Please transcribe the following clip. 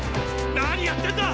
何やってんだ！